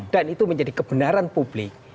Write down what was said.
dan itu menjadi kebenaran publik